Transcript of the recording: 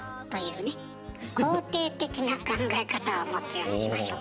肯定的な考え方を持つようにしましょう。